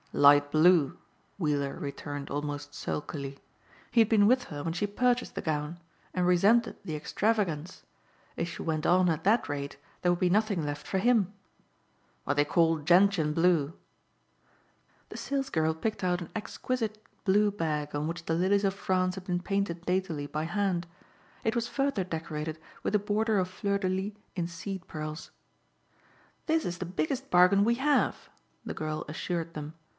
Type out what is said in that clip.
"Light blue," Weiller returned almost sulkily. He had been with her when she purchased the gown and resented the extravagance. If she went on at that rate there would be nothing left for him. "What they call gentian blue." The salesgirl picked out an exquisite blue bag on which the lilies of France had been painted daintily by hand. It was further decorated with a border of fleur de lis in seed pearls. "This is the biggest bargain we have," the girl assured them.